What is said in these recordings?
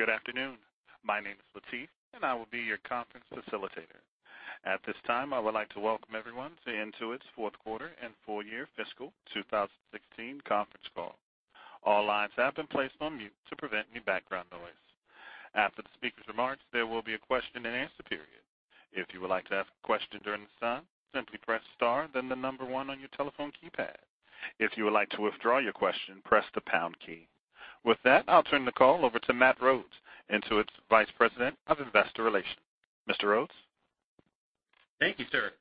Good afternoon. My name is Lateef, I will be your conference facilitator. At this time, I would like to welcome everyone to Intuit's fourth quarter and full year fiscal 2016 conference call. All lines have been placed on mute to prevent any background noise. After the speaker's remarks, there will be a question and answer period. If you would like to ask a question during this time, simply press star, then the number 1 on your telephone keypad. If you would like to withdraw your question, press the pound key. With that, I'll turn the call over to Matt Rhodes, Intuit's Vice President of Investor Relations. Mr. Rhodes? Thank you, sir.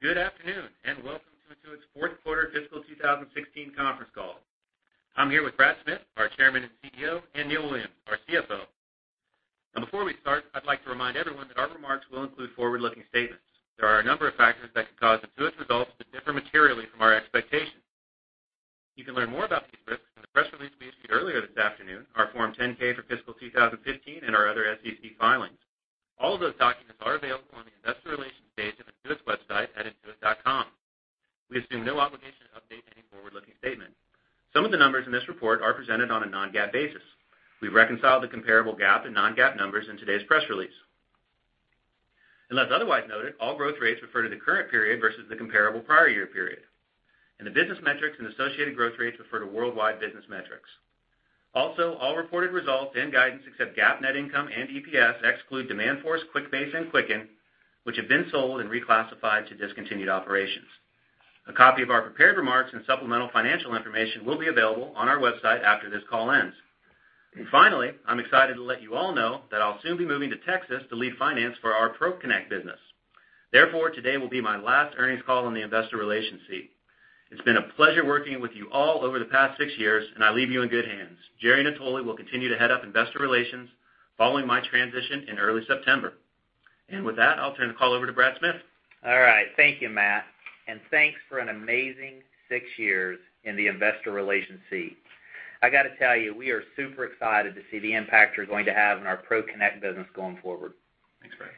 Good afternoon, welcome to Intuit's fourth quarter fiscal 2016 conference call. I'm here with Brad Smith, our Chairman and CEO, and Neil Williams, our CFO. Before we start, I'd like to remind everyone that our remarks will include forward-looking statements. There are a number of factors that could cause Intuit's results to differ materially from our expectations. You can learn more about these risks in the press release we issued earlier this afternoon, our Form 10-K for fiscal 2015, and our other SEC filings. All of those documents are available on the investor relations page of Intuit's website at intuit.com. We assume no obligation to update any forward-looking statement. Some of the numbers in this report are presented on a non-GAAP basis. We've reconciled the comparable GAAP and non-GAAP numbers in today's press release. Unless otherwise noted, all growth rates refer to the current period versus the comparable prior year period, and the business metrics and associated growth rates refer to worldwide business metrics. All reported results and guidance except GAAP net income and EPS exclude Demandforce, QuickBase, and Quicken, which have been sold and reclassified to discontinued operations. A copy of our prepared remarks and supplemental financial information will be available on our website after this call ends. I'm excited to let you all know that I'll soon be moving to Texas to lead finance for our ProConnect business. Today will be my last earnings call in the investor relations seat. It's been a pleasure working with you all over the past six years, and I leave you in good hands. Jerry Natoli will continue to head up investor relations following my transition in early September. With that, I'll turn the call over to Brad Smith. All right. Thank you, Matt, and thanks for an amazing six years in the investor relations seat. I got to tell you, we are super excited to see the impact you're going to have on our ProConnect business going forward. Thanks, Brad.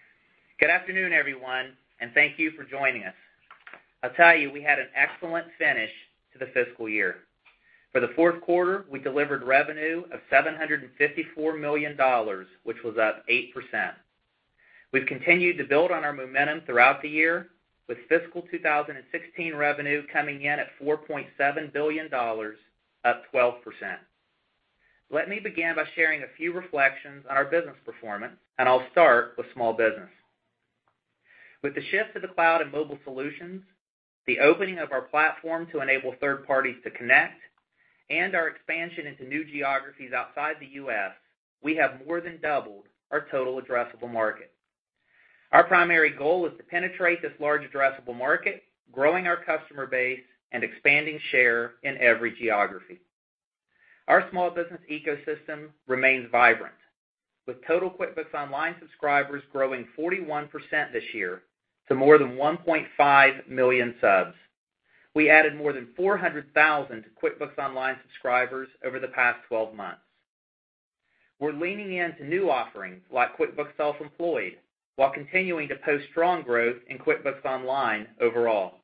Good afternoon, everyone. Thank you for joining us. I'll tell you, we had an excellent finish to the fiscal year. For the fourth quarter, we delivered revenue of $754 million, which was up 8%. We've continued to build on our momentum throughout the year, with fiscal 2016 revenue coming in at $4.7 billion, up 12%. Let me begin by sharing a few reflections on our business performance. I'll start with small business. With the shift to the cloud and mobile solutions, the opening of our platform to enable third parties to connect, and our expansion into new geographies outside the U.S., we have more than doubled our total addressable market. Our primary goal is to penetrate this large addressable market, growing our customer base and expanding share in every geography. Our small business ecosystem remains vibrant, with total QuickBooks Online subscribers growing 41% this year to more than 1.5 million subs. We added more than 400,000 QuickBooks Online subscribers over the past 12 months. We're leaning into new offerings like QuickBooks Self-Employed while continuing to post strong growth in QuickBooks Online overall.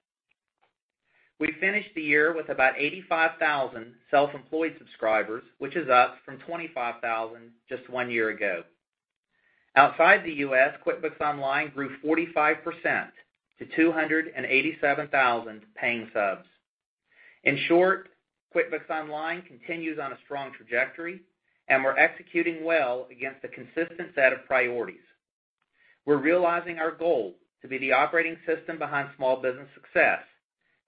We finished the year with about 85,000 self-employed subscribers, which is up from 25,000 just one year ago. Outside the U.S., QuickBooks Online grew 45% to 287,000 paying subs. In short, QuickBooks Online continues on a strong trajectory. We're executing well against a consistent set of priorities. We're realizing our goal to be the operating system behind small business success,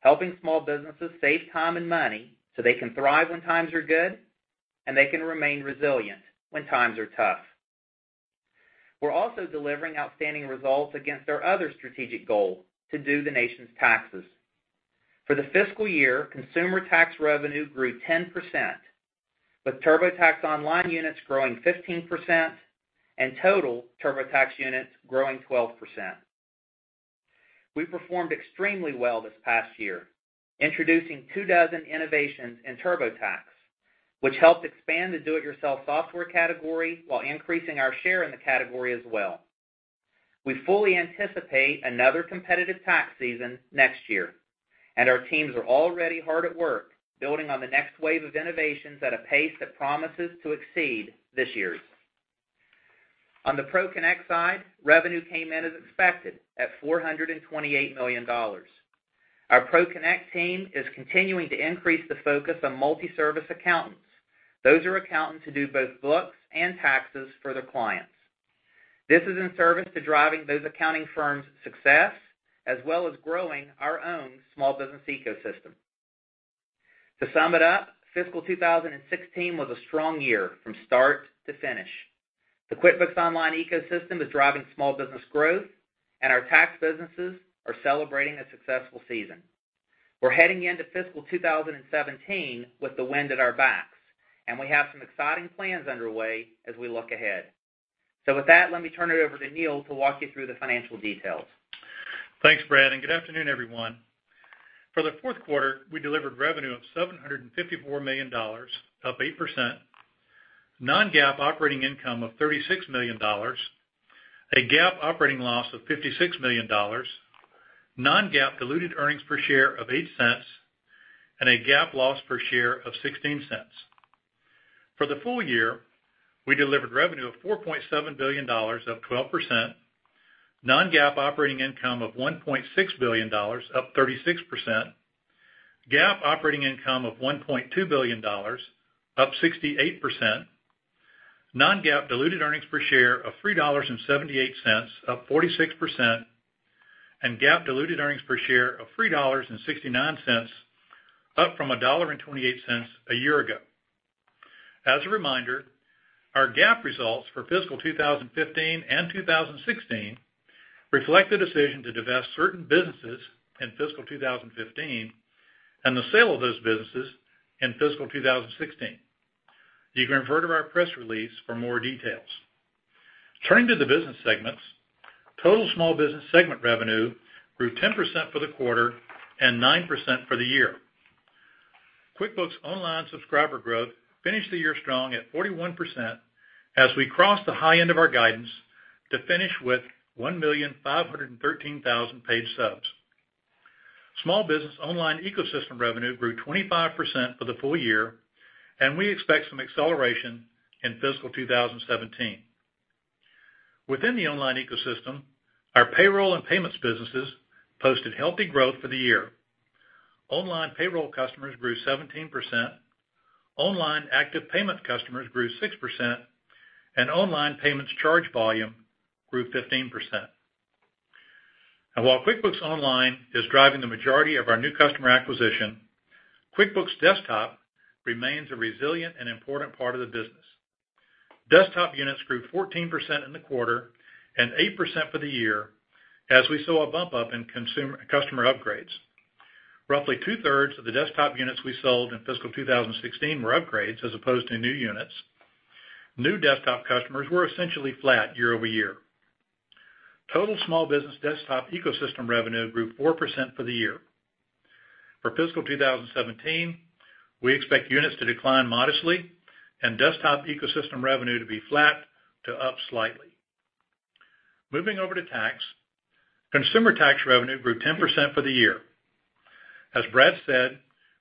helping small businesses save time and money so they can thrive when times are good. They can remain resilient when times are tough. We're also delivering outstanding results against our other strategic goal to do the nation's taxes. For the fiscal year, consumer tax revenue grew 10%, with TurboTax Online units growing 15% and total TurboTax units growing 12%. We performed extremely well this past year, introducing two dozen innovations in TurboTax, which helped expand the do-it-yourself software category while increasing our share in the category as well. We fully anticipate another competitive tax season next year, and our teams are already hard at work building on the next wave of innovations at a pace that promises to exceed this year's. On the ProConnect side, revenue came in as expected at $428 million. Our ProConnect team is continuing to increase the focus on multi-service accountants. Those are accountants who do both books and taxes for their clients. This is in service to driving those accounting firms' success, as well as growing our own small business ecosystem. To sum it up, fiscal 2016 was a strong year from start to finish. The QuickBooks Online ecosystem is driving small business growth, and our tax businesses are celebrating a successful season. We're heading into fiscal 2017 with the wind at our backs, and we have some exciting plans underway as we look ahead. With that, let me turn it over to Neil to walk you through the financial details. Thanks, Brad, and good afternoon, everyone. For the fourth quarter, we delivered revenue of $754 million, up 8%, non-GAAP operating income of $36 million, a GAAP operating loss of $56 million, non-GAAP diluted earnings per share of $0.08. A GAAP loss per share of $0.16. For the full year, we delivered revenue of $4.7 billion, up 12%, non-GAAP operating income of $1.6 billion, up 36%, GAAP operating income of $1.2 billion, up 68%, non-GAAP diluted earnings per share of $3.78, up 46%, and GAAP diluted earnings per share of $3.69, up from $1.28 a year ago. As a reminder, our GAAP results for fiscal 2015 and 2016 reflect a decision to divest certain businesses in fiscal 2015, and the sale of those businesses in fiscal 2016. You can refer to our press release for more details. Turning to the business segments, total small business segment revenue grew 10% for the quarter and 9% for the year. QuickBooks Online subscriber growth finished the year strong at 41% as we crossed the high end of our guidance to finish with 1,513,000 paid subs. Small business online ecosystem revenue grew 25% for the full year. We expect some acceleration in fiscal 2017. Within the online ecosystem, our payroll and payments businesses posted healthy growth for the year. Online payroll customers grew 17%, online active payment customers grew 6%. Online payments charge volume grew 15%. While QuickBooks Online is driving the majority of our new customer acquisition, QuickBooks Desktop remains a resilient and important part of the business. Desktop units grew 14% in the quarter and 8% for the year as we saw a bump up in customer upgrades. Roughly two-thirds of the desktop units we sold in fiscal 2016 were upgrades as opposed to new units. New desktop customers were essentially flat year-over-year. Total small business desktop ecosystem revenue grew 4% for the year. For fiscal 2017, we expect units to decline modestly. Desktop ecosystem revenue to be flat to up slightly. Moving over to tax. Consumer tax revenue grew 10% for the year. As Brad said,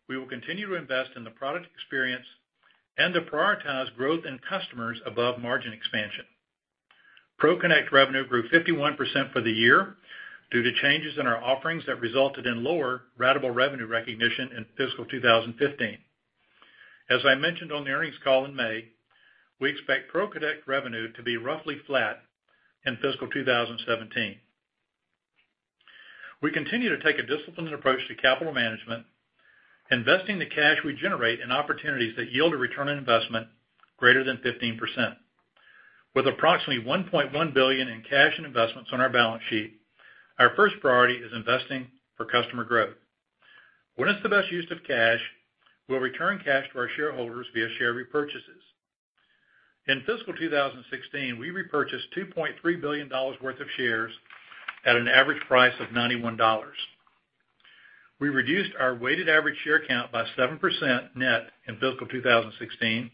we will continue to invest in the product experience. To prioritize growth in customers above margin expansion. ProConnect revenue grew 51% for the year due to changes in our offerings that resulted in lower ratable revenue recognition in fiscal 2015. As I mentioned on the earnings call in May, we expect ProConnect revenue to be roughly flat in fiscal 2017. We continue to take a disciplined approach to capital management, investing the cash we generate in opportunities that yield a return on investment greater than 15%. With approximately $1.1 billion in cash and investments on our balance sheet, our first priority is investing for customer growth. When it's the best use of cash, we'll return cash to our shareholders via share repurchases. In fiscal 2016, we repurchased $2.3 billion worth of shares at an average price of $91. We reduced our weighted average share count by 7% net in fiscal 2016.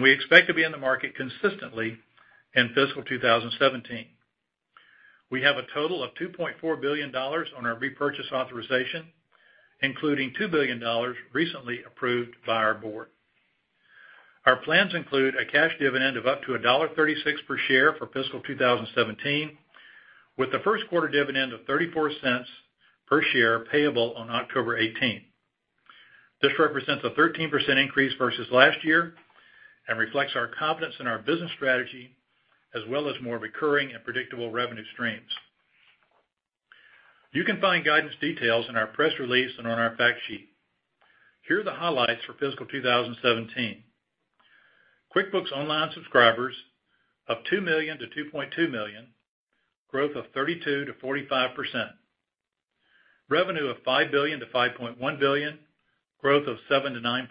We expect to be in the market consistently in fiscal 2017. We have a total of $2.4 billion on our repurchase authorization, including $2 billion recently approved by our board. Our plans include a cash dividend of up to $1.36 per share for fiscal 2017, with the first quarter dividend of $0.34 per share payable on October 18. This represents a 13% increase versus last year. It reflects our confidence in our business strategy, as well as more recurring and predictable revenue streams. You can find guidance details in our press release and on our fact sheet. Here are the highlights for fiscal 2017. QuickBooks Online subscribers up $2 million-$2.2 million, growth of 32%-45%. Revenue of $5 billion-$5.1 billion, growth of 7%-9%.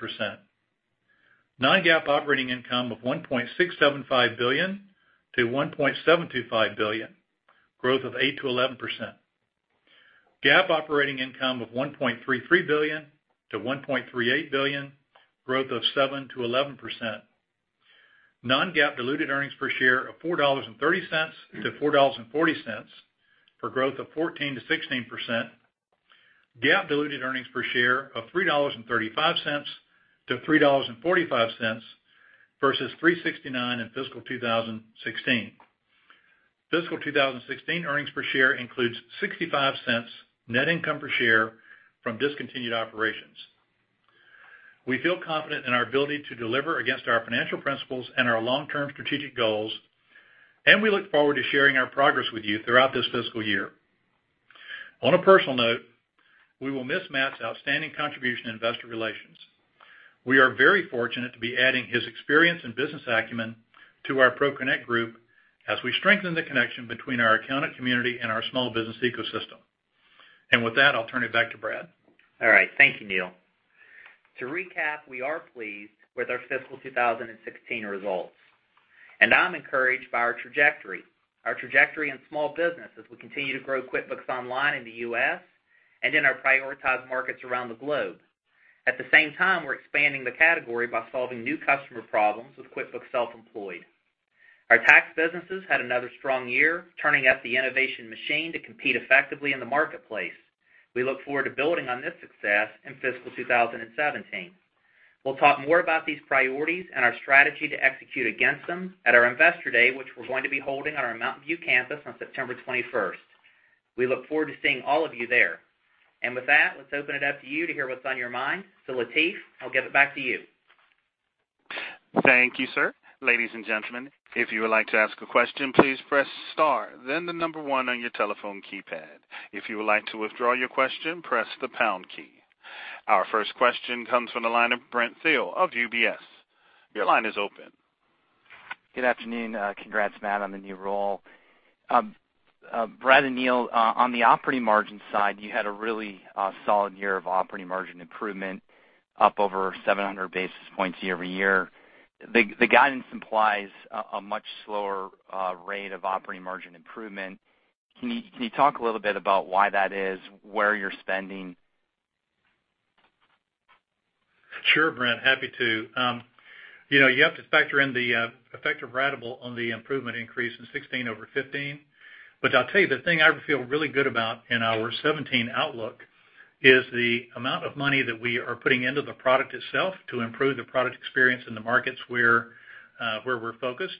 Non-GAAP operating income of $1.675 billion-$1.725 billion, growth of 8%-11%. GAAP operating income of $1.33 billion-$1.38 billion, growth of 7%-11%. Non-GAAP diluted earnings per share of $4.30-$4.40 for growth of 14%-16%. GAAP diluted earnings per share of $3.35-$3.45 versus $3.69 in fiscal 2016. Fiscal 2016 earnings per share includes $0.65 net income per share from discontinued operations. We feel confident in our ability to deliver against our financial principles and our long-term strategic goals. We look forward to sharing our progress with you throughout this fiscal year. On a personal note, we will miss Matt's outstanding contribution in investor relations. We are very fortunate to be adding his experience and business acumen to our ProConnect group as we strengthen the connection between our accountant community and our small business ecosystem. With that, I'll turn it back to Brad. All right. Thank you, Neil. To recap, we are pleased with our fiscal 2016 results. I'm encouraged by our trajectory. Our trajectory in small business as we continue to grow QuickBooks Online in the U.S. and in our prioritized markets around the globe. At the same time, we're expanding the category by solving new customer problems with QuickBooks Self-Employed. Our tax businesses had another strong year, turning up the innovation machine to compete effectively in the marketplace. We look forward to building on this success in fiscal 2017. We'll talk more about these priorities and our strategy to execute against them at our Investor Day, which we're going to be holding on our Mountain View campus on September 21st. We look forward to seeing all of you there. With that, let's open it up to you to hear what's on your mind. Lateef, I'll give it back to you. Thank you, sir. Ladies and gentlemen, if you would like to ask a question, please press star, then one on your telephone keypad. If you would like to withdraw your question, press the pound key. Our first question comes from the line of Brent Thill of UBS. Your line is open. Good afternoon. Congrats, Matt, on the new role. Brad and Neil, on the operating margin side, you had a really solid year of operating margin improvement, up over 700 basis points year-over-year. The guidance implies a much slower rate of operating margin improvement. Can you talk a little bit about why that is, where you're spending? Sure, Brent. Happy to. You have to factor in the effect of ratable on the improvement increase in 2016 over 2015. I'll tell you, the thing I feel really good about in our 2017 outlook is the amount of money that we are putting into the product itself to improve the product experience in the markets where we're focused.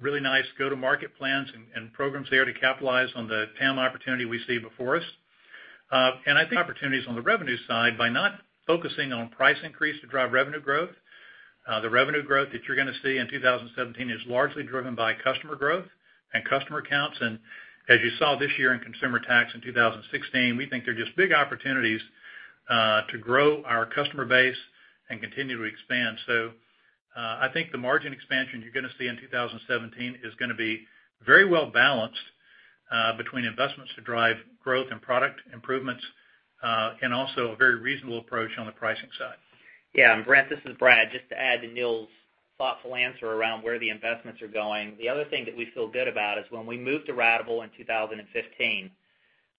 Really nice go-to-market plans and programs there to capitalize on the TAM opportunity we see before us. I think opportunities on the revenue side by not focusing on price increase to drive revenue growth. The revenue growth that you're going to see in 2017 is largely driven by customer growth and customer counts. As you saw this year in consumer tax in 2016, we think they're just big opportunities to grow our customer base and continue to expand. I think the margin expansion you're going to see in 2017 is going to be very well-balanced between investments to drive growth and product improvements, and also a very reasonable approach on the pricing side. Yeah. Brent, this is Brad. Just to add to Neil's thoughtful answer around where the investments are going, the other thing that we feel good about is when we moved to ratable in 2015,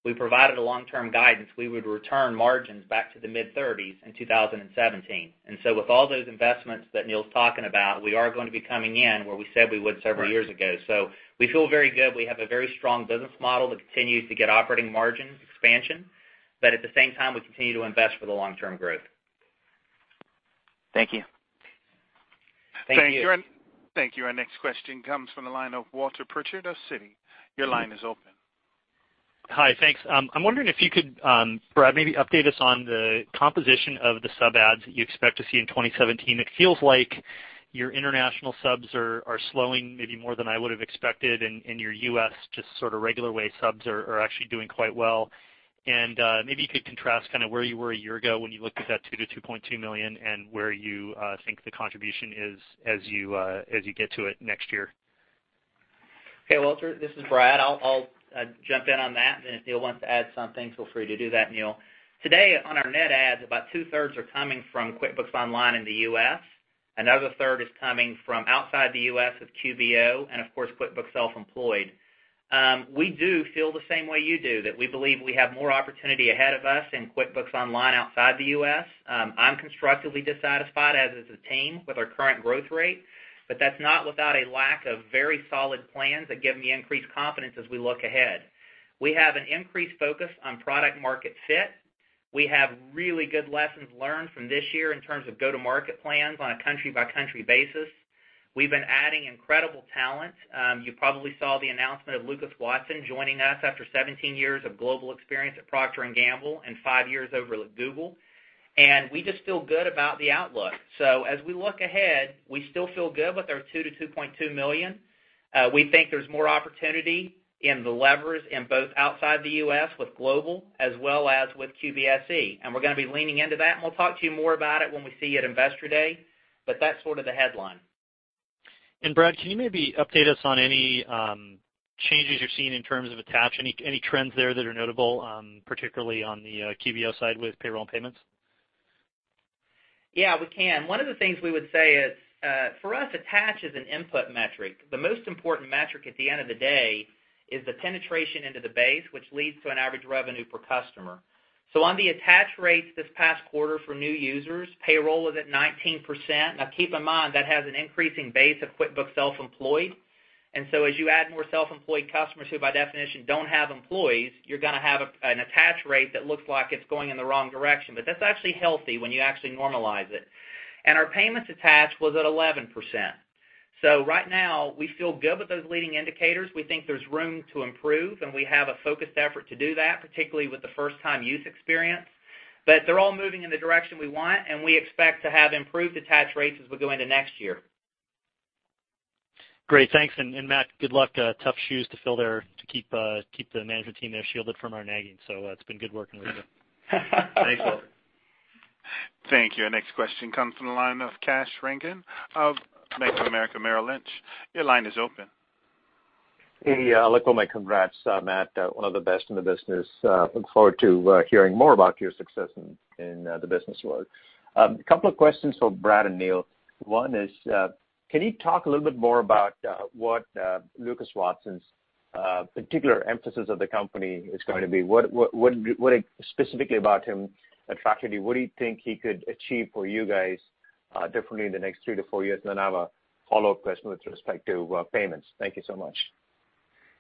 we provided a long-term guidance we would return margins back to the mid-30s in 2017. With all those investments that Neil's talking about, we are going to be coming in where we said we would several years ago. We feel very good. We have a very strong business model that continues to get operating margin expansion. At the same time, we continue to invest for the long-term growth. Thank you. Thank you. Thank you. Our next question comes from the line of Walter Pritchard of Citi. Your line is open. Hi. Thanks. I'm wondering if you could, Brad, maybe update us on the composition of the sub adds that you expect to see in 2017. It feels like your international subs are slowing maybe more than I would've expected, and your U.S. just sort of regular way subs are actually doing quite well. Maybe you could contrast kind of where you were a year ago when you looked at that 2 million-2.2 million and where you think the contribution is as you get to it next year. Okay, Walter, this is Brad. I'll jump in on that. If Neil wants to add something, feel free to do that, Neil. Today on our net adds about two-thirds are coming from QuickBooks Online in the U.S. Another third is coming from outside the U.S. with QBO and, of course, QuickBooks Self-Employed. We do feel the same way you do, that we believe we have more opportunity ahead of us in QuickBooks Online outside the U.S. I'm constructively dissatisfied, as is the team, with our current growth rate, but that's not without a lack of very solid plans that give me increased confidence as we look ahead. We have an increased focus on product market fit. We have really good lessons learned from this year in terms of go-to-market plans on a country-by-country basis. We've been adding incredible talent. You probably saw the announcement of Lucas Watson joining us after 17 years of global experience at Procter & Gamble and five years over at Google, and we just feel good about the outlook. As we look ahead, we still feel good with our two to 2.2 million. We think there's more opportunity in the levers in both outside the U.S. with global as well as with QBSE, and we're going to be leaning into that, and we'll talk to you more about it when we see you at Investor Day. That's sort of the headline. Brad, can you maybe update us on any changes you're seeing in terms of attach? Any trends there that are notable, particularly on the QBO side with payroll and payments? Yeah, we can. One of the things we would say is, for us, attach is an input metric. The most important metric at the end of the day is the penetration into the base, which leads to an average revenue per customer. On the attach rates this past quarter for new users, payroll was at 19%. Now keep in mind, that has an increasing base of QuickBooks Self-Employed. As you add more self-employed customers, who by definition don't have employees, you're going to have an attach rate that looks like it's going in the wrong direction. That's actually healthy when you actually normalize it. Our payments attach was at 11%. Right now, we feel good with those leading indicators. We think there's room to improve, and we have a focused effort to do that, particularly with the first-time use experience. They're all moving in the direction we want, and we expect to have improved attach rates as we go into next year. Great. Thanks. Matt, good luck. Tough shoes to fill there to keep the management team there shielded from our nagging. It's been good working with you. Thank you. Our next question comes from the line of Kash Rangan of Bank of America Merrill Lynch. Your line is open. Hey, look, well, my congrats, Matt, one of the best in the business. Look forward to hearing more about your success in the business world. A couple of questions for Brad and Neil. One is, can you talk a little bit more about what Lucas Watson's particular emphasis of the company is going to be. What specifically about him attracted you? What do you think he could achieve for you guys differently in the next three to four years? Then I have a follow-up question with respect to payments. Thank you so much.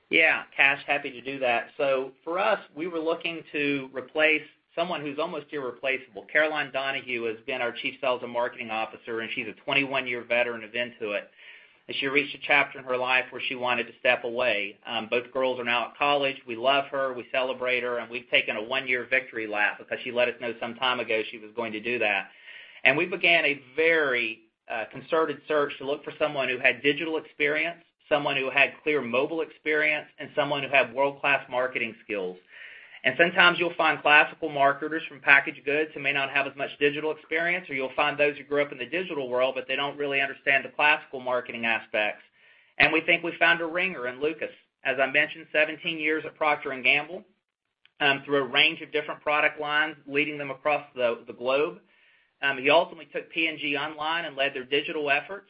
Yeah, Kash. For us, we were looking to replace someone who's almost irreplaceable. Caroline Donahue has been our Chief Sales and Marketing Officer. She's a 21-year veteran of Intuit. She reached a chapter in her life where she wanted to step away. Both girls are now at college. We love her. We celebrate her. We've taken a one-year victory lap because she let us know some time ago she was going to do that. We began a very concerted search to look for someone who had digital experience, someone who had clear mobile experience, and someone who had world-class marketing skills. Sometimes you'll find classical marketers from packaged goods who may not have as much digital experience, or you'll find those who grew up in the digital world, but they don't really understand the classical marketing aspects. We think we found a ringer in Lucas. As I mentioned, 17 years at Procter & Gamble, through a range of different product lines, leading them across the globe. He ultimately took P&G online and led their digital efforts.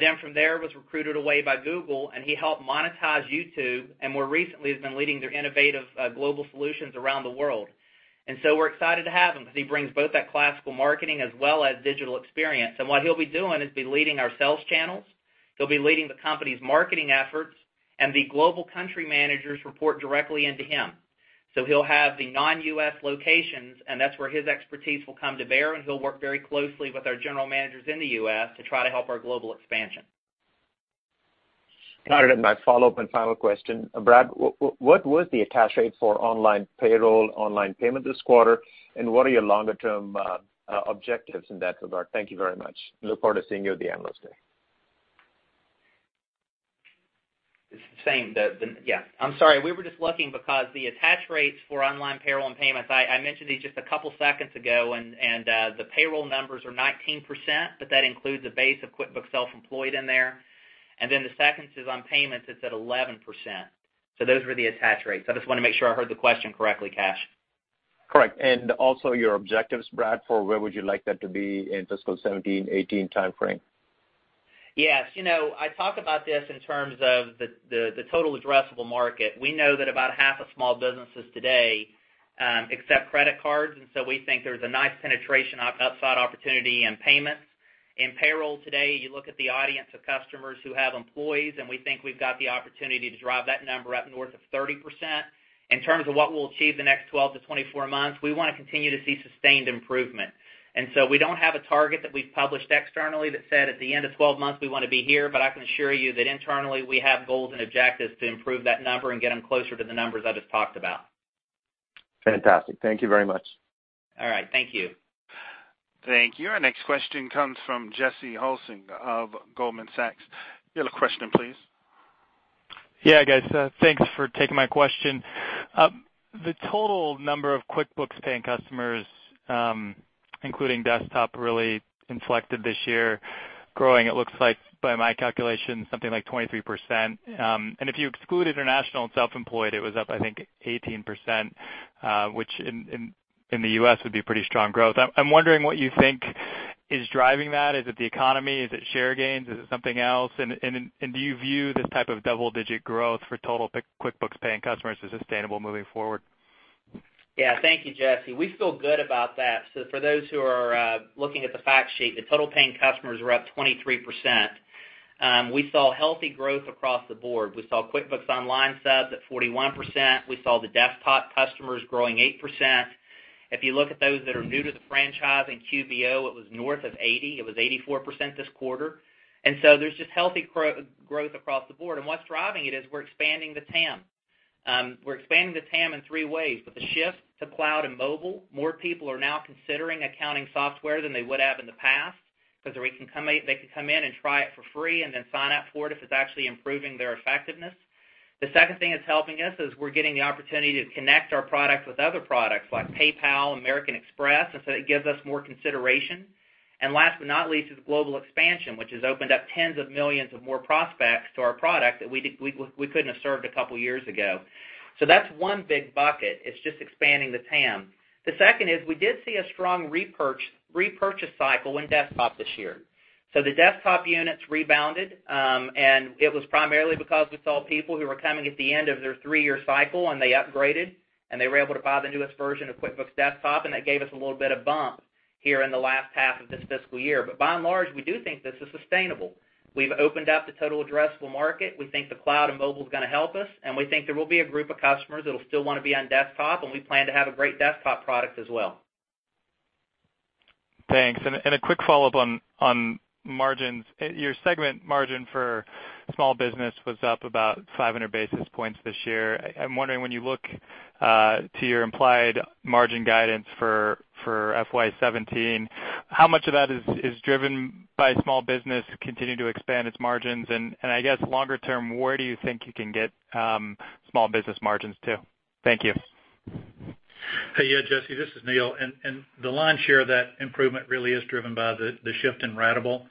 Then from there was recruited away by Google. He helped monetize YouTube. More recently has been leading their innovative global solutions around the world. We're excited to have him because he brings both that classical marketing as well as digital experience. What he'll be doing is be leading our sales channels. He'll be leading the company's marketing efforts. The global country managers report directly into him. He'll have the non-U.S. locations, and that's where his expertise will come to bear, and he'll work very closely with our general managers in the U.S. to try to help our global expansion. Got it. My follow-up and final question. Brad, what was the attach rate for online payroll, online payment this quarter, and what are your longer-term objectives in that regard? Thank you very much. Look forward to seeing you at the Analyst Day. It's the same. Yeah. I'm sorry. We were just looking because the attach rates for online payroll and payments, I mentioned these just a couple seconds ago. The payroll numbers are 19%, but that includes a base of QuickBooks Self-Employed in there. The second is on payments, it's at 11%. Those were the attach rates. I just want to make sure I heard the question correctly, Kash. Correct. Also your objectives, Brad, for where would you like that to be in fiscal 2017, 2018 timeframe? Yes. I talk about this in terms of the total addressable market. We know that about half of small businesses today accept credit cards, and so we think there's a nice penetration upside opportunity in payments. In payroll today, you look at the audience of customers who have employees, and we think we've got the opportunity to drive that number up north of 30%. In terms of what we'll achieve the next 12 to 24 months, we want to continue to see sustained improvement. So we don't have a target that we've published externally that said at the end of 12 months, we want to be here, but I can assure you that internally, we have goals and objectives to improve that number and get them closer to the numbers I just talked about. Fantastic. Thank you very much. All right. Thank you. Thank you. Our next question comes from Jesse Hulsing of Goldman Sachs. You have a question, please? Yeah, guys. Thanks for taking my question. The total number of QuickBooks paying customers, including Desktop, really inflected this year, growing, it looks like by my calculation, something like 23%. If you exclude international and self-employed, it was up, I think 18%, which in the U.S. would be pretty strong growth. I'm wondering what you think is driving that. Is it the economy? Is it share gains? Is it something else? Do you view this type of double-digit growth for total QuickBooks paying customers as sustainable moving forward? Yeah. Thank you, Jesse. We feel good about that. For those who are looking at the fact sheet, the total paying customers were up 23%. We saw healthy growth across the board. We saw QuickBooks Online subs at 41%. We saw the Desktop customers growing 8%. If you look at those that are new to the franchise in QBO, it was north of 80. It was 84% this quarter. There's just healthy growth across the board. What's driving it is we're expanding the TAM. We're expanding the TAM in three ways. With the shift to cloud and mobile, more people are now considering accounting software than they would have in the past because they can come in and try it for free and then sign up for it if it's actually improving their effectiveness. The second thing that's helping us is we're getting the opportunity to connect our product with other products like PayPal, American Express, it gives us more consideration. Last but not least is global expansion, which has opened up tens of millions of more prospects to our product that we couldn't have served a couple years ago. That's one big bucket. It's just expanding the TAM. The second is we did see a strong repurchase cycle in Desktop this year. The Desktop units rebounded, and it was primarily because we saw people who were coming at the end of their three-year cycle, and they upgraded, and they were able to buy the newest version of QuickBooks Desktop, and that gave us a little bit of bump here in the last half of this fiscal year. By and large, we do think this is sustainable. We've opened up the total addressable market. We think the cloud and mobile's going to help us, and we think there will be a group of customers that'll still want to be on desktop, and we plan to have a great desktop product as well. Thanks. A quick follow-up on margins. Your segment margin for small business was up about 500 basis points this year. I'm wondering, when you look to your implied margin guidance for FY 2017, how much of that is driven by small business to continue to expand its margins? I guess longer term, where do you think you can get small business margins to? Thank you. Hey, Jesse, this is Neil. The lion's share of that improvement really is driven by the shift in ratable.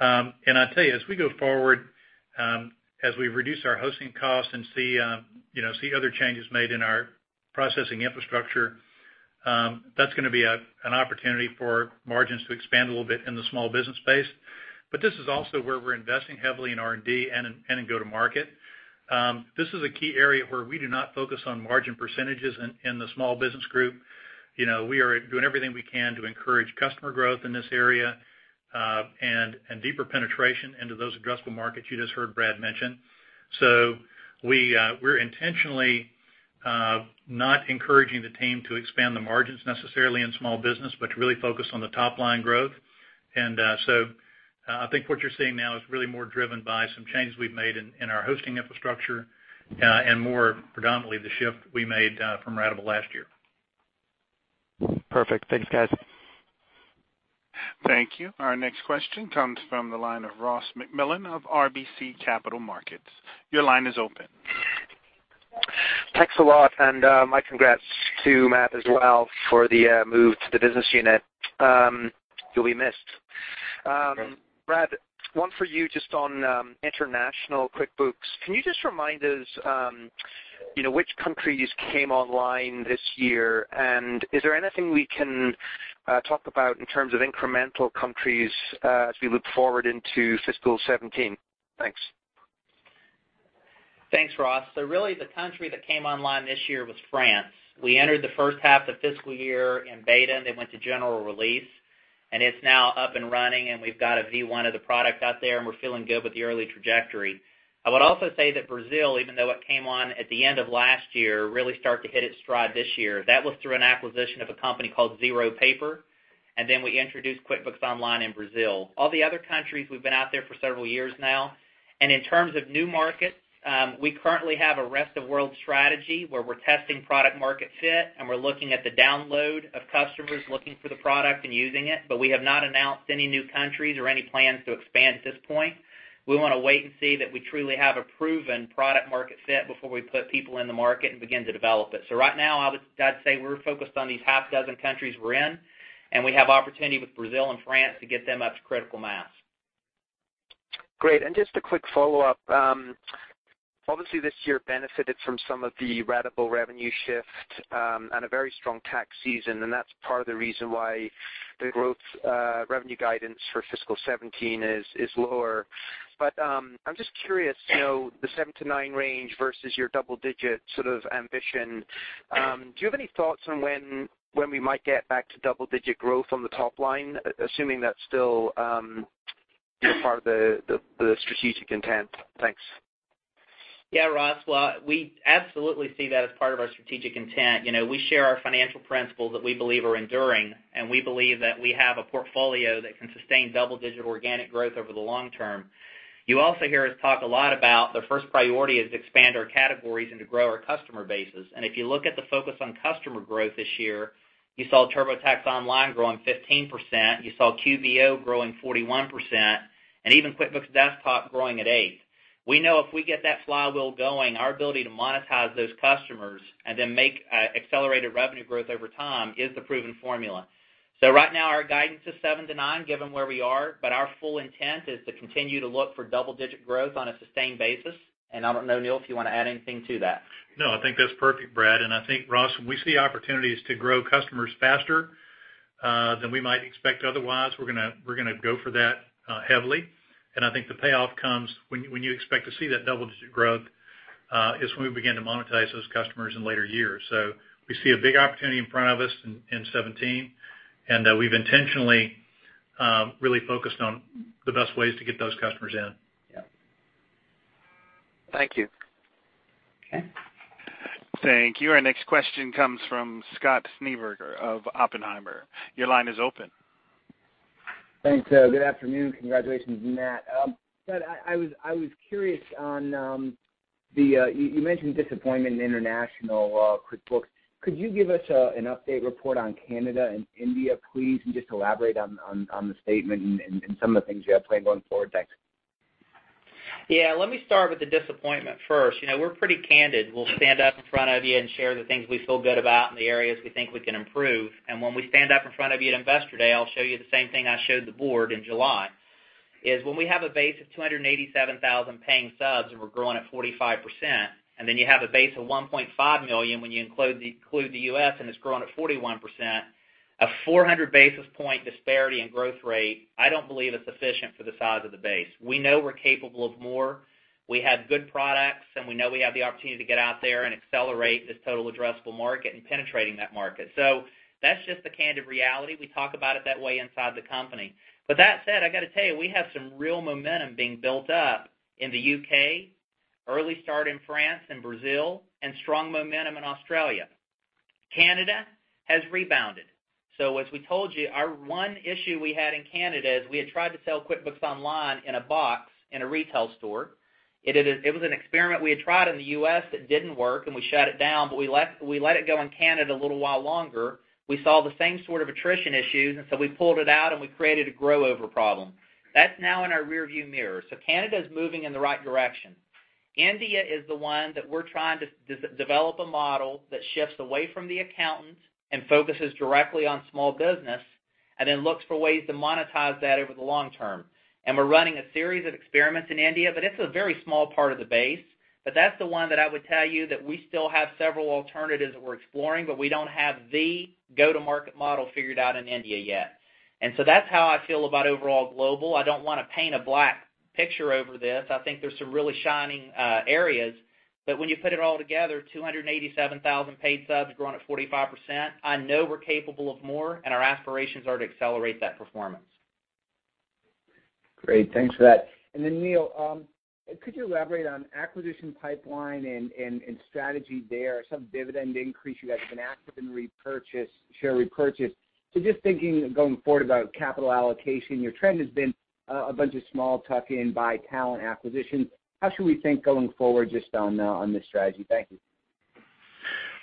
I tell you, as we go forward, as we reduce our hosting costs and see other changes made in our processing infrastructure. That's going to be an opportunity for margins to expand a little bit in the small business space. This is also where we're investing heavily in R&D and in go-to-market. This is a key area where we do not focus on margin percentages in the small business group. We are doing everything we can to encourage customer growth in this area, and deeper penetration into those addressable markets you just heard Brad mention. We're intentionally not encouraging the team to expand the margins necessarily in small business, but to really focus on the top-line growth. I think what you're seeing now is really more driven by some changes we've made in our hosting infrastructure, and more predominantly the shift we made from ratable last year. Perfect. Thanks, guys. Thank you. Our next question comes from the line of Ross MacMillan of RBC Capital Markets. Your line is open. Thanks a lot, and my congrats to Matt as well for the move to the business unit. You'll be missed. Okay. Brad, one for you just on international QuickBooks. Can you just remind us which countries came online this year, and is there anything we can talk about in terms of incremental countries as we look forward into fiscal 2017? Thanks. Thanks, Ross. Really the country that came online this year was France. We entered the first half of the fiscal year in beta, went to general release, and it's now up and running and we've got a V1 of the product out there, and we're feeling good with the early trajectory. I would also say that Brazil, even though it came on at the end of last year, really started to hit its stride this year. That was through an acquisition of a company called ZeroPaper, and then we introduced QuickBooks Online in Brazil. All the other countries, we've been out there for several years now. In terms of new markets, we currently have a rest-of-world strategy where we're testing product market fit, and we're looking at the download of customers looking for the product and using it. We have not announced any new countries or any plans to expand at this point. We want to wait and see that we truly have a proven product market fit before we put people in the market and begin to develop it. Right now, I'd say we're focused on these half dozen countries we're in, and we have opportunity with Brazil and France to get them up to critical mass. Great. Just a quick follow-up. Obviously, this year benefited from some of the ratable revenue shift, a very strong tax season, and that's part of the reason why the growth revenue guidance for fiscal 2017 is lower. I'm just curious, the 7-9 range versus your double-digit sort of ambition, do you have any thoughts on when we might get back to double-digit growth on the top line? Assuming that's still part of the strategic intent. Thanks. Yeah, Ross. We absolutely see that as part of our strategic intent. We share our financial principles that we believe are enduring, we believe that we have a portfolio that can sustain double-digit organic growth over the long term. You also hear us talk a lot about the first priority is to expand our categories and to grow our customer bases. If you look at the focus on customer growth this year, you saw TurboTax Online growing 15%, you saw QBO growing 41%, and even QuickBooks Desktop growing at 8%. We know if we get that flywheel going, our ability to monetize those customers and then make accelerated revenue growth over time is the proven formula. Right now, our guidance is 7-9, given where we are, but our full intent is to continue to look for double-digit growth on a sustained basis. I don't know, Neil, if you want to add anything to that. No, I think that's perfect, Brad. I think, Ross, we see opportunities to grow customers faster than we might expect otherwise. We're going to go for that heavily. I think the payoff comes when you expect to see that double-digit growth, is when we begin to monetize those customers in later years. We see a big opportunity in front of us in 2017, we've intentionally really focused on the best ways to get those customers in. Yeah. Thank you. Okay. Thank you. Our next question comes from Scott Schneeberger of Oppenheimer. Your line is open. Thanks. Good afternoon. Congratulations, Matt. I was curious, you mentioned disappointment in international QuickBooks. Could you give us an update report on Canada and India, please, and just elaborate on the statement and some of the things you have planned going forward? Thanks. Yeah. Let me start with the disappointment first. We're pretty candid. We'll stand up in front of you and share the things we feel good about and the areas we think we can improve. When we stand up in front of you at Investor Day, I'll show you the same thing I showed the board in July, is when we have a base of 287,000 paying subs and we're growing at 45%, then you have a base of 1.5 million when you include the U.S. and it's growing at 41%, a 400 basis point disparity in growth rate, I don't believe is sufficient for the size of the base. We know we're capable of more. We have good products, and we know we have the opportunity to get out there and accelerate this total addressable market and penetrating that market. That's just the candid reality. We talk about it that way inside the company. That said, I got to tell you, we have some real momentum being built up in the U.K., early start in France and Brazil, and strong momentum in Australia. Canada has rebounded. As we told you, our one issue we had in Canada is we had tried to sell QuickBooks Online in a box in a retail store. It was an experiment we had tried in the U.S. that didn't work, and we shut it down, but we let it go in Canada a little while longer. We saw the same sort of attrition issues, and so we pulled it out, and we created a grow-over problem. That's now in our rear-view mirror. Canada's moving in the right direction. India is the one that we're trying to develop a model that shifts away from the accountants and focuses directly on small business. Then looks for ways to monetize that over the long term. We're running a series of experiments in India, but it's a very small part of the base, but that's the one that I would tell you that we still have several alternatives that we're exploring, but we don't have the go-to-market model figured out in India yet. That's how I feel about overall global. I don't want to paint a black picture over this. I think there's some really shining areas. When you put it all together, 287,000 paid subs growing at 45%, I know we're capable of more, and our aspirations are to accelerate that performance. Great. Thanks for that. Neil, could you elaborate on acquisition pipeline and strategy there, some dividend increase. You guys have been active in share repurchase. Just thinking going forward about capital allocation, your trend has been a bunch of small tuck-in by talent acquisition. How should we think going forward just on the strategy? Thank you.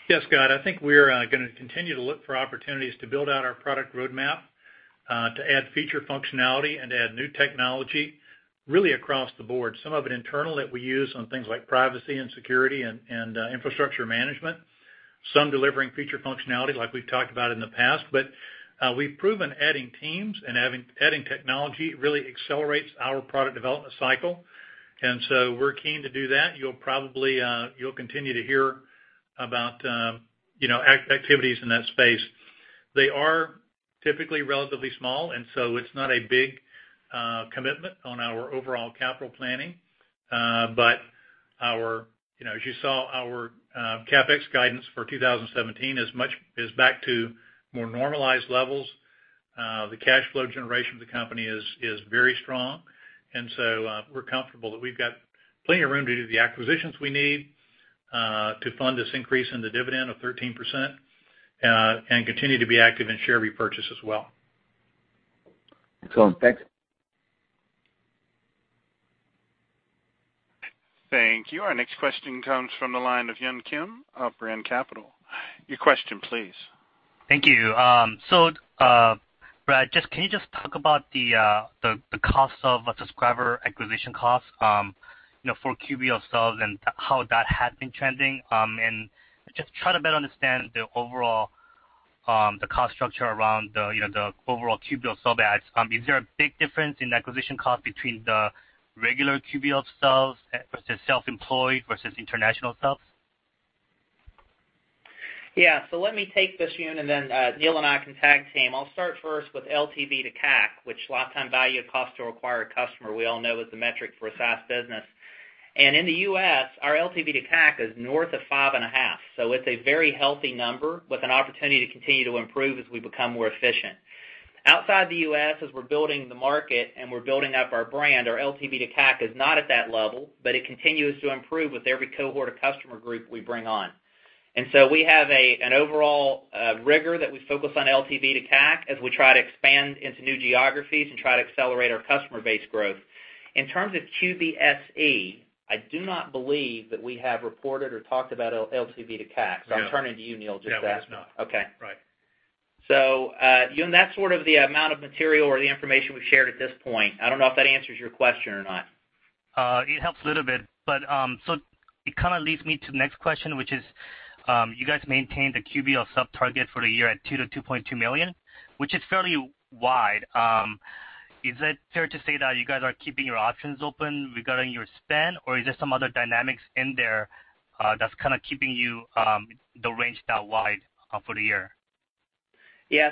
Yes, Scott. I think we're going to continue to look for opportunities to build out our product roadmap, to add feature functionality and add new technology, really across the board. Some of it internal that we use on things like privacy and security and infrastructure management, some delivering feature functionality like we've talked about in the past. We've proven adding teams and adding technology really accelerates our product development cycle, so we're keen to do that. You'll continue to hear about activities in that space. They are typically relatively small, so it's not a big commitment on our overall capital planning. As you saw, our CapEx guidance for 2017 is back to more normalized levels. The cash flow generation of the company is very strong. We're comfortable that we've got plenty of room to do the acquisitions we need, to fund this increase in the dividend of 13%, and continue to be active in share repurchase as well. Excellent. Thanks. Thank you. Our next question comes from the line of Yoon Kim of Barclays Capital. Your question please. Thank you. Brad, can you just talk about the cost of a subscriber acquisition cost for QBO subs and how that has been trending? Just try to better understand the cost structure around the overall QBO sub adds. Is there a big difference in acquisition cost between the regular QBO subs versus self-employed versus international subs? Yeah. Let me take this, Yoon, Neil and I can tag team. I'll start first with LTV to CAC, which is lifetime value of cost to acquire a customer, we all know is the metric for a SaaS business. In the U.S., our LTV to CAC is north of 5.5. It's a very healthy number with an opportunity to continue to improve as we become more efficient. Outside the U.S., as we're building the market and we're building up our brand, our LTV to CAC is not at that level, but it continues to improve with every cohort or customer group we bring on. We have an overall rigor that we focus on LTV to CAC, as we try to expand into new geographies and try to accelerate our customer base growth. In terms of QBSE, I do not believe that we have reported or talked about LTV to CAC. No. I'm turning to you, Neil, just to ask. Yeah, we have not. Okay. Right. Yoon, that's sort of the amount of material or the information we've shared at this point. I don't know if that answers your question or not. It helps a little bit. It kind of leads me to the next question, which is, you guys maintained the QBO sub target for the year at 2 million-2.2 million, which is fairly wide. Is it fair to say that you guys are keeping your options open regarding your spend, or is there some other dynamics in there that's kind of keeping the range that wide for the year?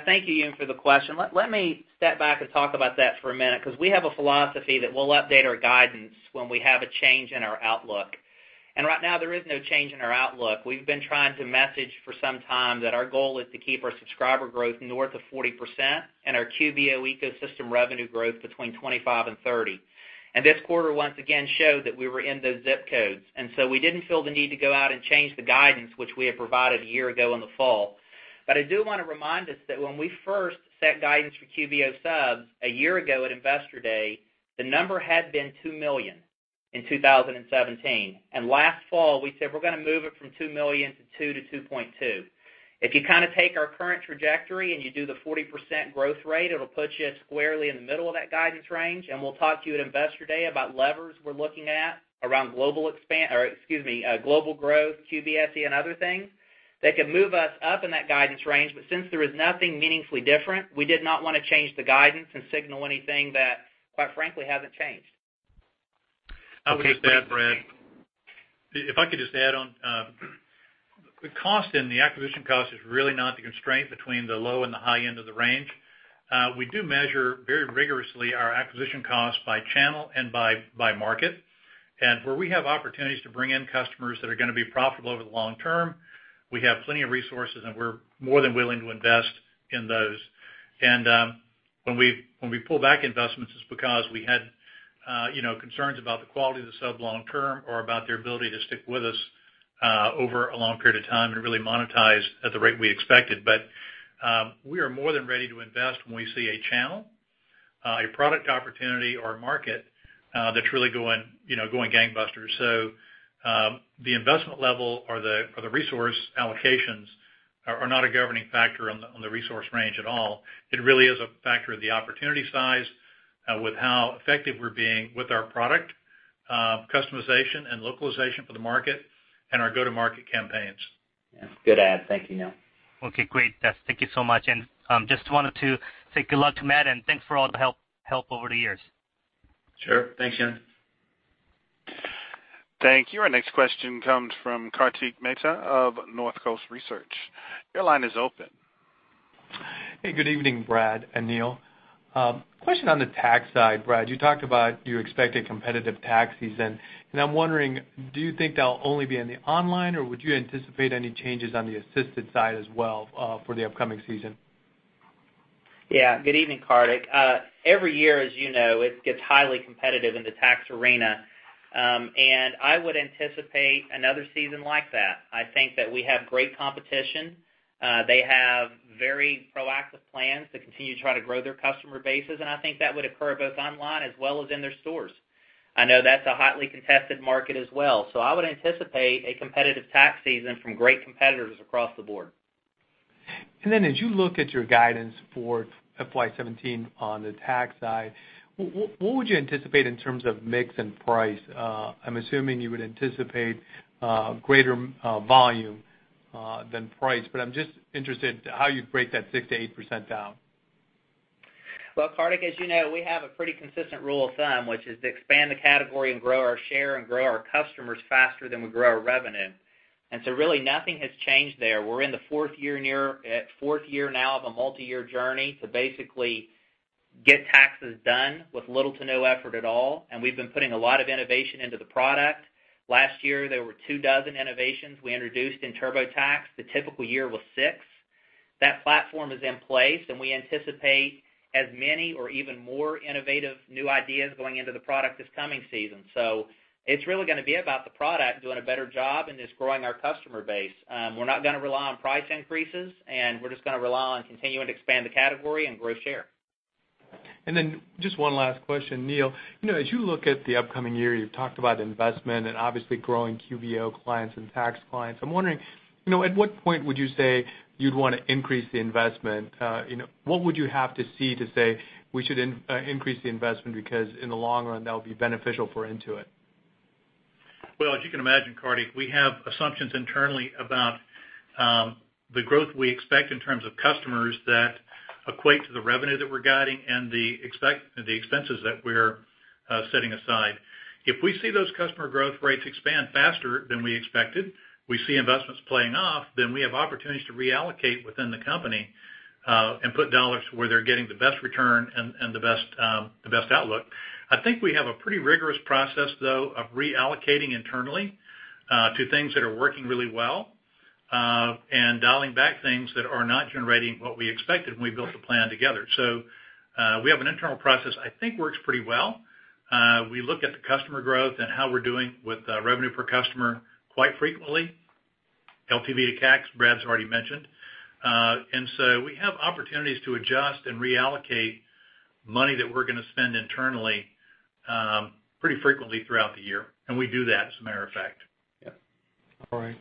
Thank you, Yoon, for the question. Let me step back and talk about that for a minute, because we have a philosophy that we'll update our guidance when we have a change in our outlook. Right now, there is no change in our outlook. We've been trying to message for some time that our goal is to keep our subscriber growth north of 40% and our QBO ecosystem revenue growth between 25% and 30%. This quarter, once again, showed that we were in those zip codes, and so we didn't feel the need to go out and change the guidance, which we had provided a year ago in the fall. I do want to remind us that when we first set guidance for QBO subs a year ago at Investor Day, the number had been 2 million in 2017. Last fall, we said we're going to move it from 2 million to 2 to 2.2. If you take our current trajectory and you do the 40% growth rate, it'll put you squarely in the middle of that guidance range, and we'll talk to you at Investor Day about levers we're looking at around global growth, QBSE, and other things that could move us up in that guidance range. Since there is nothing meaningfully different, we did not want to change the guidance and signal anything that, quite frankly, hasn't changed. I would just add, Brad. If I could just add on. The cost and the acquisition cost is really not the constraint between the low and the high end of the range. We do measure very rigorously our acquisition cost by channel and by market. Where we have opportunities to bring in customers that are going to be profitable over the long term, we have plenty of resources, and we're more than willing to invest in those. When we pull back investments, it's because we had concerns about the quality of the sub long term or about their ability to stick with us over a long period of time and really monetize at the rate we expected. We are more than ready to invest when we see a channel, a product opportunity, or a market that's really going gangbusters. The investment level or the resource allocations are not a governing factor on the resource range at all. It really is a factor of the opportunity size, with how effective we're being with our product, customization, and localization for the market, and our go-to-market campaigns. Good add. Thank you, Neil. Just wanted to say good luck to Matt, and thanks for all the help over the years. Sure. Thanks, Yoon Kim. Thank you. Our next question comes from Kartik Mehta of Northcoast Research. Your line is open. Hey. Good evening, Brad and Neil. Question on the tax side, Brad. You talked about you expect a competitive tax season, and I'm wondering, do you think that'll only be in the online, or would you anticipate any changes on the assisted side as well for the upcoming season? Yeah. Good evening, Kartik. Every year, as you know, it gets highly competitive in the tax arena. I would anticipate another season like that. I think that we have great competition. They have very proactive plans to continue to try to grow their customer bases, and I think that would occur both online as well as in their stores. I know that's a hotly contested market as well. I would anticipate a competitive tax season from great competitors across the board. As you look at your guidance for FY 2017 on the tax side, what would you anticipate in terms of mix and price? I'm assuming you would anticipate greater volume than price, but I'm just interested how you'd break that 6%-8% down. Well, Kartik, as you know, we have a pretty consistent rule of thumb, which is to expand the category and grow our share and grow our customers faster than we grow our revenue. Really nothing has changed there. We're in the fourth year now of a multi-year journey to basically get taxes done with little to no effort at all, and we've been putting a lot of innovation into the product. Last year, there were 24 innovations we introduced in TurboTax. The typical year was six. That platform is in place, and we anticipate as many or even more innovative new ideas going into the product this coming season. It's really going to be about the product doing a better job and just growing our customer base. We're not going to rely on price increases, and we're just going to rely on continuing to expand the category and grow share. Just one last question, Neil. As you look at the upcoming year, you've talked about investment and obviously growing QBO clients and tax clients. I'm wondering, at what point would you say you'd want to increase the investment? What would you have to see to say we should increase the investment, because in the long run, that would be beneficial for Intuit? Well, as you can imagine, Kartik, we have assumptions internally about the growth we expect in terms of customers that equate to the revenue that we're guiding and the expenses that we're setting aside. If we see those customer growth rates expand faster than we expected, we see investments playing off, then we have opportunities to reallocate within the company, and put dollars where they're getting the best return and the best outlook. I think we have a pretty rigorous process, though, of reallocating internally, to things that are working really well, and dialing back things that are not generating what we expected when we built the plan together. We have an internal process I think works pretty well. We look at the customer growth and how we're doing with revenue per customer quite frequently, LTV to CAC, Brad's already mentioned. We have opportunities to adjust and reallocate money that we're going to spend internally pretty frequently throughout the year. We do that as a matter of fact. Yep. All right.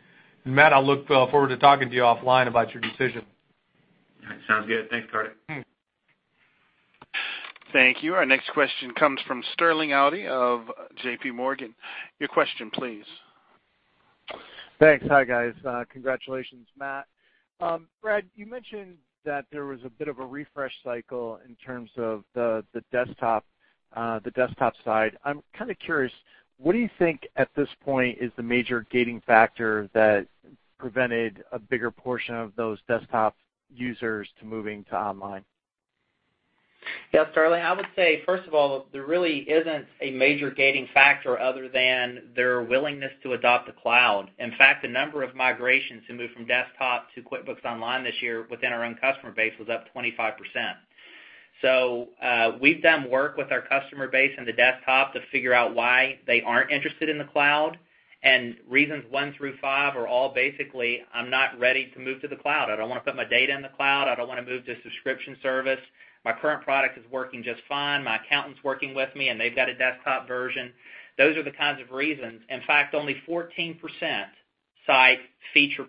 Matt, I'll look forward to talking to you offline about your decision. All right. Sounds good. Thanks, Kartik. Thank you. Our next question comes from Sterling Auty of JP Morgan. Your question please. Thanks. Hi, guys. Congratulations, Matt. Brad, you mentioned that there was a bit of a refresh cycle in terms of the desktop side. I'm kind of curious, what do you think at this point is the major gating factor that prevented a bigger portion of those desktop users to moving to online? Yeah, Sterling. I would say, first of all, there really isn't a major gating factor other than their willingness to adopt the cloud. In fact, the number of migrations who moved from desktop to QuickBooks Online this year within our own customer base was up 25%. We've done work with our customer base and the desktop to figure out why they aren't interested in the cloud, and reasons one through five are all basically, I'm not ready to move to the cloud. I don't want to put my data in the cloud. I don't want to move to subscription service. My current product is working just fine. My accountant's working with me, and they've got a desktop version. Those are the kinds of reasons. In fact, only 14% cite feature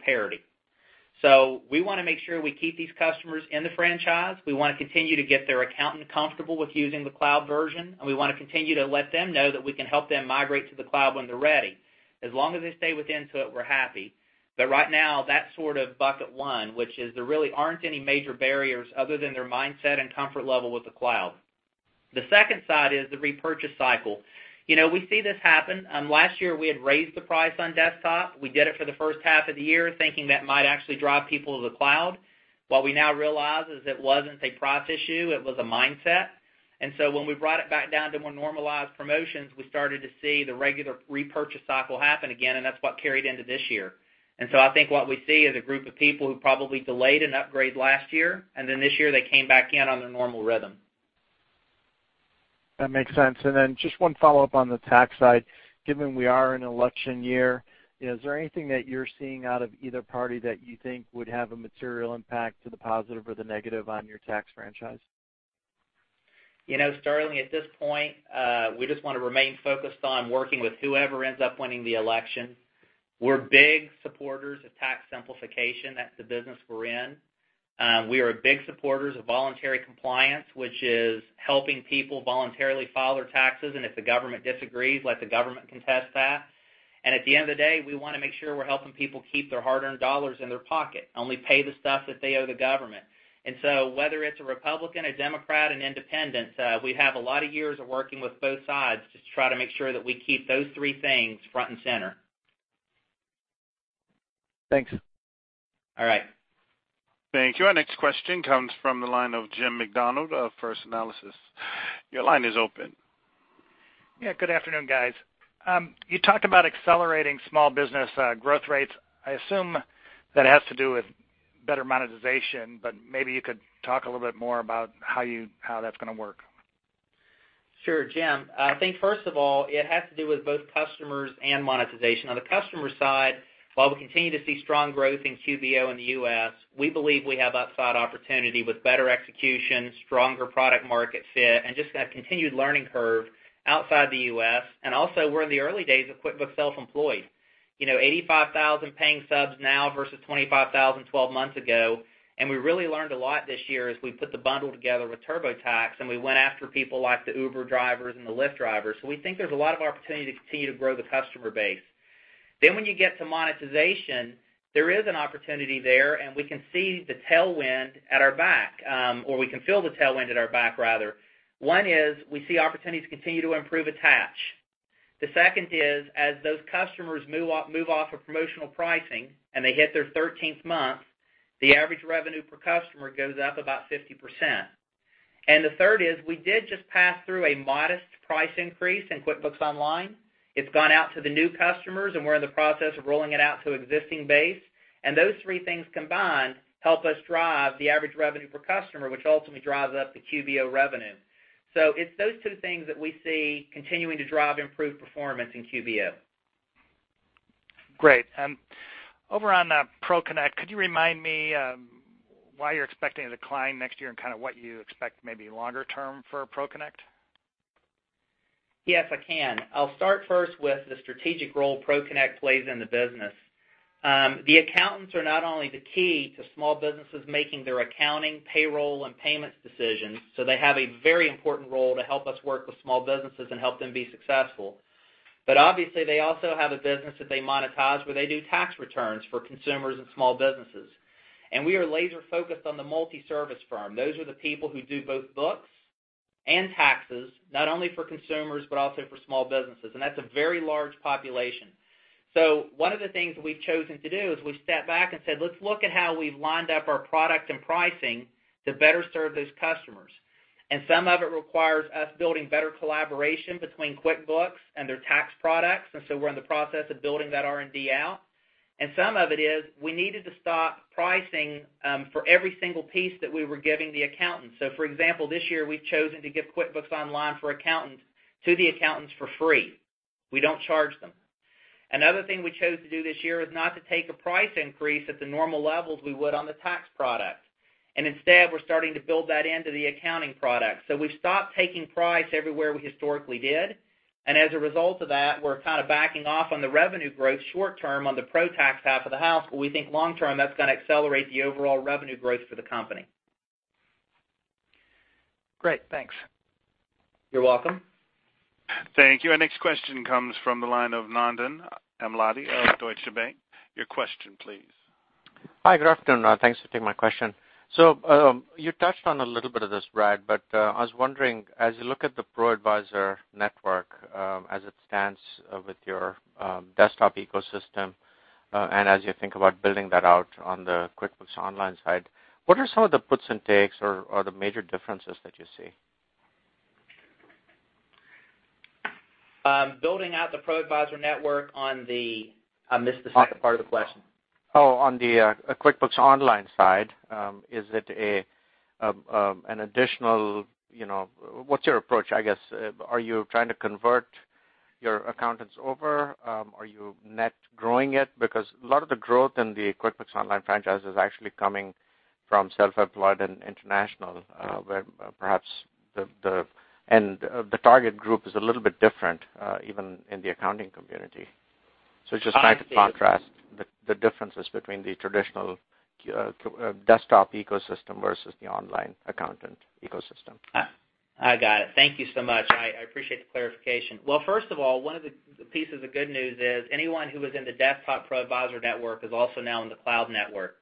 parity. We want to make sure we keep these customers in the franchise. We want to continue to get their accountant comfortable with using the cloud version, and we want to continue to let them know that we can help them migrate to the cloud when they're ready. As long as they stay with Intuit, we're happy. Right now, that's sort of bucket 1, which is there really aren't any major barriers other than their mindset and comfort level with the cloud. The second side is the repurchase cycle. We see this happen. Last year, we had raised the price on desktop. We did it for the first half of the year, thinking that might actually drive people to the cloud. What we now realize is it wasn't a price issue, it was a mindset. When we brought it back down to more normalized promotions, we started to see the regular repurchase cycle happen again, and that's what carried into this year. I think what we see is a group of people who probably delayed an upgrade last year, and then this year they came back in on their normal rhythm. That makes sense. Just one follow-up on the tax side, given we are in an election year, is there anything that you're seeing out of either party that you think would have a material impact to the positive or the negative on your tax franchise? Sterling, at this point, we just want to remain focused on working with whoever ends up winning the election. We're big supporters of tax simplification. That's the business we're in. We are big supporters of voluntary compliance, which is helping people voluntarily file their taxes, and if the government disagrees, let the government contest that. At the end of the day, we want to make sure we're helping people keep their hard-earned dollars in their pocket, only pay the stuff that they owe the government. Whether it's a Republican, a Democrat, an independent, we have a lot of years of working with both sides just to try to make sure that we keep those three things front and center. Thanks. All right. Thank you. Our next question comes from the line of Jim Macdonald of First Analysis. Your line is open. Yeah, good afternoon, guys. You talked about accelerating small business growth rates. I assume that has to do with better monetization, maybe you could talk a little bit more about how that's going to work. Sure, Jim. I think, first of all, it has to do with both customers and monetization. On the customer side, while we continue to see strong growth in QBO in the U.S., we believe we have upside opportunity with better execution, stronger product market fit, and just that continued learning curve outside the U.S., and also we're in the early days of QuickBooks Self-Employed. 85,000 paying subs now versus 25,000 12 months ago, and we really learned a lot this year as we put the bundle together with TurboTax, and we went after people like the Uber drivers and the Lyft drivers. We think there's a lot of opportunity to continue to grow the customer base. When you get to monetization, there is an opportunity there, and we can see the tailwind at our back, or we can feel the tailwind at our back, rather. One is we see opportunities to continue to improve attach. The second is, as those customers move off of promotional pricing and they hit their 13th month, the average revenue per customer goes up about 50%. The third is, we did just pass through a modest price increase in QuickBooks Online. It's gone out to the new customers, and we're in the process of rolling it out to existing base. Those three things combined help us drive the average revenue per customer, which ultimately drives up the QBO revenue. It's those two things that we see continuing to drive improved performance in QBO. Great. Over on ProConnect, could you remind me why you're expecting a decline next year and what you expect maybe longer term for ProConnect? Yes, I can. I'll start first with the strategic role ProConnect plays in the business. The accountants are not only the key to small businesses making their accounting, payroll, and payments decisions, so they have a very important role to help us work with small businesses and help them be successful. Obviously, they also have a business that they monetize where they do tax returns for consumers and small businesses. We are laser-focused on the multi-service firm. Those are the people who do both books and taxes, not only for consumers, but also for small businesses, and that's a very large population. One of the things that we've chosen to do is we've stepped back and said, "Let's look at how we've lined up our product and pricing to better serve those customers." Some of it requires us building better collaboration between QuickBooks and their tax products, we're in the process of building that R&D out. Some of it is we needed to stop pricing for every single piece that we were giving the accountants. For example, this year, we've chosen to give QuickBooks Online Accountant to the accountants for free. We don't charge them. Another thing we chose to do this year is not to take a price increase at the normal levels we would on the tax product. Instead, we're starting to build that into the accounting product. We've stopped taking price everywhere we historically did, and as a result of that, we're kind of backing off on the revenue growth short term on the ProTax half of the house. We think long term, that's going to accelerate the overall revenue growth for the company. Great, thanks. You're welcome. Thank you. Our next question comes from the line of Nandan Amladi of Deutsche Bank. Your question, please. Hi, good afternoon. Thanks for taking my question. You touched on a little bit of this, Brad, but I was wondering, as you look at the ProAdvisor network as it stands with your desktop ecosystem and as you think about building that out on the QuickBooks Online side, what are some of the puts and takes or the major differences that you see? I missed the second part of the question. Oh, on the QuickBooks Online side, what's your approach, I guess? Are you trying to convert your accountants over? Are you net growing it? A lot of the growth in the QuickBooks Online franchise is actually coming from self-employed and international, and the target group is a little bit different, even in the accounting community. Just trying to contrast the differences between the traditional desktop ecosystem versus the online accountant ecosystem. I got it. Thank you so much. I appreciate the clarification. First of all, one of the pieces of good news is anyone who was in the desktop ProAdvisor network is also now in the cloud network.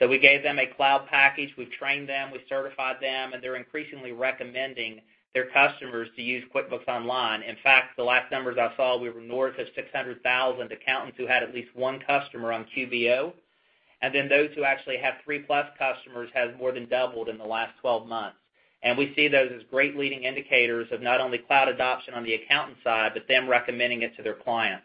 We gave them a cloud package. We've trained them, we certified them, and they're increasingly recommending their customers to use QuickBooks Online. In fact, the last numbers I saw, we were north of 600,000 accountants who had at least one customer on QBO. Those who actually have three-plus customers has more than doubled in the last 12 months. We see those as great leading indicators of not only cloud adoption on the accountant side, but them recommending it to their clients.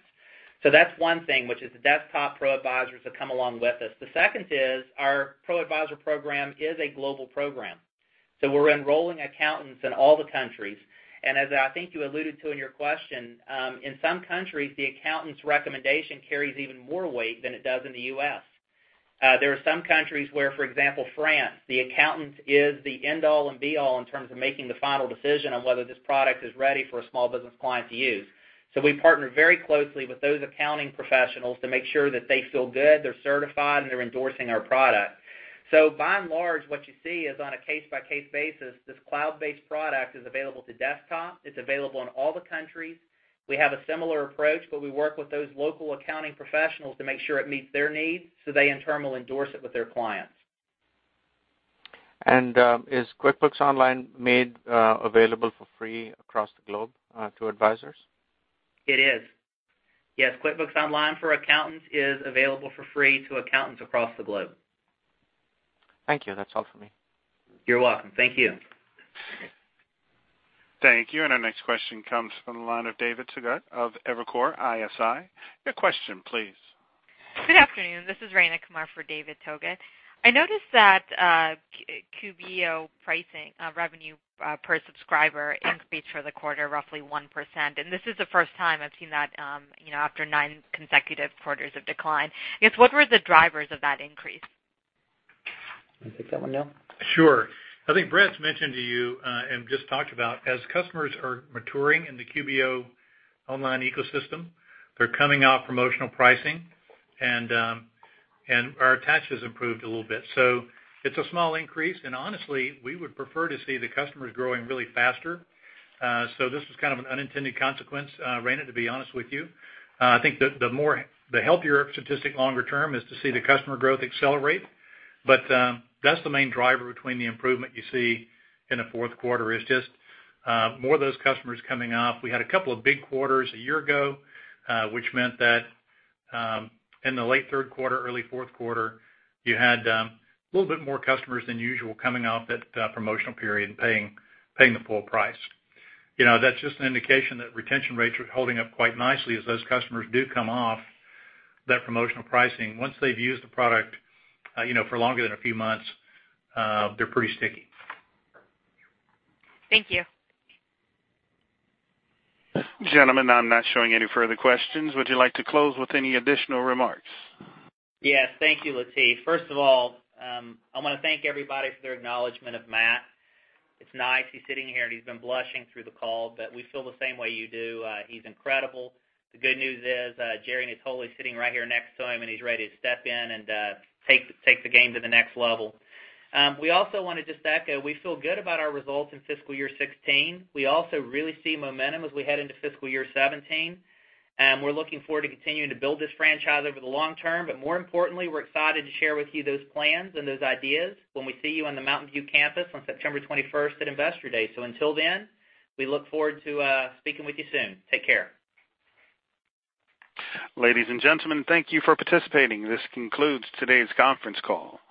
That's one thing, which is the desktop ProAdvisors have come along with us. The second is our ProAdvisor program is a global program. We're enrolling accountants in all the countries, and as I think you alluded to in your question, in some countries, the accountant's recommendation carries even more weight than it does in the U.S. There are some countries where, for example, France, the accountant is the end-all and be-all in terms of making the final decision on whether this product is ready for a small business client to use. We partner very closely with those accounting professionals to make sure that they feel good, they're certified, and they're endorsing our product. By and large, what you see is on a case-by-case basis, this cloud-based product is available to desktop, it's available in all the countries. We have a similar approach, but we work with those local accounting professionals to make sure it meets their needs, so they in turn will endorse it with their clients. Is QuickBooks Online made available for free across the globe, to ProAdvisors? It is. Yes. QuickBooks Online Accountant is available for free to accountants across the globe. Thank you. That's all for me. You're welcome. Thank you. Thank you. Our next question comes from the line of David Togut of Evercore ISI. Your question please. Good afternoon. This is Rayna Kumar for David Togut. I noticed that QBO pricing, revenue per subscriber increased for the quarter, roughly 1%, and this is the first time I've seen that, after nine consecutive quarters of decline. I guess, what were the drivers of that increase? Want to take that one, Neil? Sure. I think Brad mentioned to you, and just talked about, as customers are maturing in the QBO online ecosystem, they're coming off promotional pricing and our attach has improved a little bit. It's a small increase, and honestly, we would prefer to see the customers growing really faster. This was kind of an unintended consequence, Rayna, to be honest with you. I think the healthier statistic longer term is to see the customer growth accelerate. That's the main driver between the improvement you see in the fourth quarter is just, more of those customers coming off. We had a couple of big quarters a year ago, which meant that, in the late third quarter, early fourth quarter, you had a little bit more customers than usual coming off that promotional period and paying the full price. That's just an indication that retention rates are holding up quite nicely as those customers do come off that promotional pricing. Once they've used the product for longer than a few months, they're pretty sticky. Thank you. Gentlemen, I'm not showing any further questions. Would you like to close with any additional remarks? Yes. Thank you, Lateef. First of all, I want to thank everybody for their acknowledgement of Matt. It's nice. He's sitting here, and he's been blushing through the call, but we feel the same way you do. He's incredible. The good news is, Jerry Natoli is sitting right here next to him, and he's ready to step in and take the game to the next level. We also want to just echo, we feel good about our results in fiscal year 2016. We also really see momentum as we head into fiscal year 2017. We're looking forward to continuing to build this franchise over the long term, but more importantly, we're excited to share with you those plans and those ideas when we see you on the Mountain View campus on September 21st at Investor Day. Until then, we look forward to speaking with you soon. Take care. Ladies and gentlemen, thank you for participating. This concludes today's conference call.